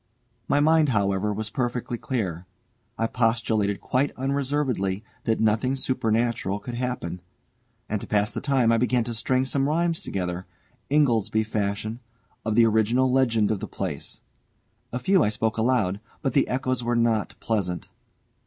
My mind, however, was perfectly clear. I postulated quite unreservedly that nothing supernatural could happen, and to pass the time I began to string some rhymes together, Ingoldsby fashion, of the original legend of the place. A few I spoke aloud, but the echoes were not pleasant.